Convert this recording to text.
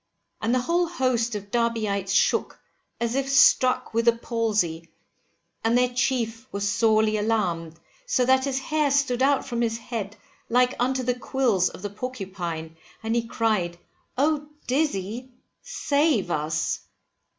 And the whole host of Derbyites shook, as if struck with the palsy, and their chief was sorely alarmed, so that his hair stood out from his head like unto the quills of the porcupine, and he cried, Oh, Dizzy, save us!